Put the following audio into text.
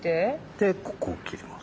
でここを切ります。